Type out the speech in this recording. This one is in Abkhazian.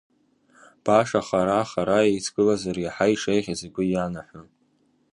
Баша хара-хара еицгылазар иаҳа ишеиӷьыз игәы ианаҳәон.